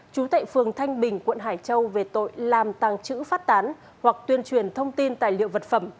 chú tại phường thanh bình quận hải châu về tội làm tàng trữ phát tán hoặc tuyên truyền thông tin tài liệu vật phẩm